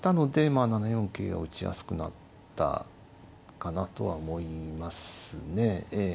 桂が打ちやすくなったかなとは思いますねええ。